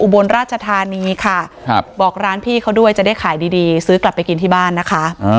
บนราชธานีค่ะบอกร้านพี่เขาด้วยจะได้ขายดีซื้อกลับไปกินที่บ้านนะคะ